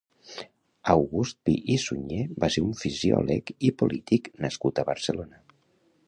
August Pi i Sunyer va ser un fisiòleg i polític nascut a Barcelona.